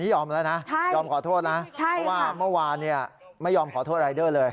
ยอมแล้วนะยอมขอโทษนะเพราะว่าเมื่อวานไม่ยอมขอโทษรายเดอร์เลย